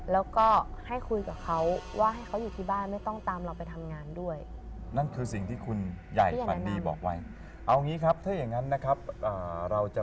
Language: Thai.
แล้วก็ให้คุยกับเขา